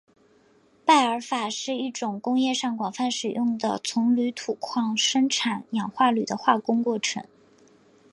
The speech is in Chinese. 拜耳法是一种工业上广泛使用的从铝土矿生产氧化铝的化工过程。